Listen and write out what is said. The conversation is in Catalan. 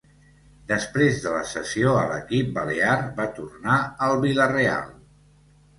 Després de la cessió a l'equip balear va tornar al Vila-real.